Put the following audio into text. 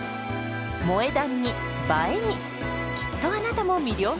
「萌え断」に「映え」にきっとあなたも魅了されるはず！